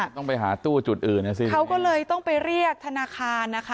ต้องไปหาตู้จุดอื่นนะสิเขาก็เลยต้องไปเรียกธนาคารนะคะ